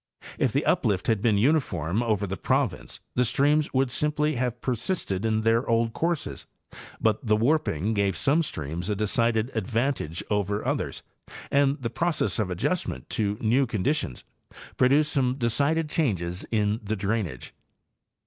If the uplift had been uniform over the province the streams would simply have persisted in their old courses, but the warping gave some streams a decided advantage over others and the process of adjustment to new conditions produced some decided changes in the drainage.